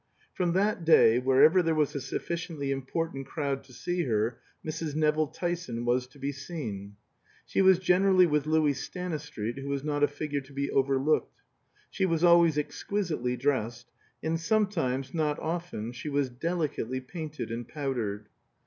From that day, wherever there was a sufficiently important crowd to see her, Mrs. Nevill Tyson was to be seen. She was generally with Louis Stanistreet, who was not a figure to be overlooked; she was always exquisitely dressed; and sometimes, not often, she was delicately painted and powdered.